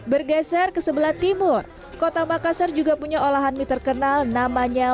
bergeser kesebelah timur kota makassar juga punya olahan mi terkenal namanya